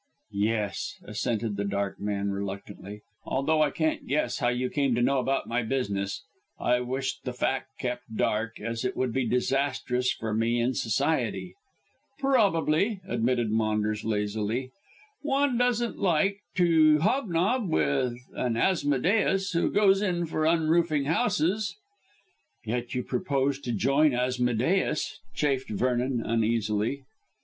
"Yes," assented the dark man reluctantly, "although I can't guess how you came to know about my business. I wish the fact kept dark, as it would be disastrous for me in Society." "Probably," admitted Maunders lazily. "One doesn't like to hob nob with an Asmodeus who goes in for unroofing houses." "Yet you propose to join Asmodeus," chafed Vernon uneasily.